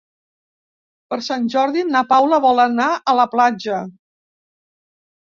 Per Sant Jordi na Paula vol anar a la platja.